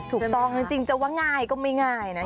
ถูกต้องจริงจะว่าง่ายก็ไม่ง่ายนะ